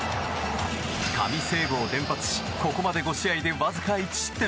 神セーブを連発しここまで５試合でわずか１失点。